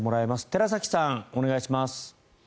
寺崎さん、お願いします。